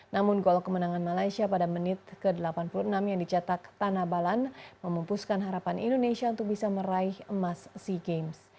namun gol kemenangan malaysia pada menit ke delapan puluh enam yang dicetak tanah balan memumpuskan harapan indonesia untuk bisa meraih emas sea games